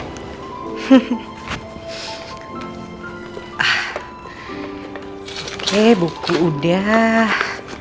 oke buku udah